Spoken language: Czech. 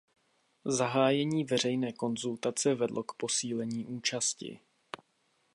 Zahájení veřejné konzultace vedlo k posílení účasti.